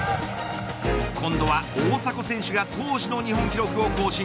今度は、大迫選手が当時の日本記録を更新。